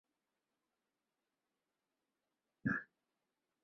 我的孙子总在你广播时打开收音机调整音节。